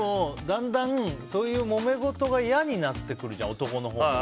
だんだん、そういうもめごとが嫌になってくるじゃん男のほうが。